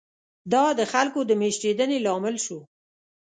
دا د خلکو د مېشتېدنې لامل شو.